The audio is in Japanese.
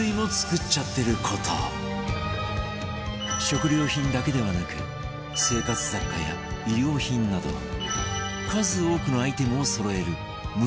食料品だけではなく生活雑貨や衣料品など数多くのアイテムをそろえる無印